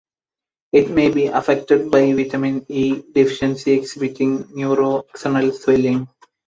It may be affected by vitamin E deficiency exhibiting neuroaxonal swelling.